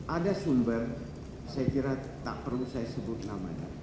ada sumber saya kira tak perlu saya sebut namanya